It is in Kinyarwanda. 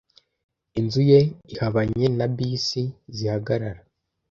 Inzu ye ihabanye na bisi zihagarara.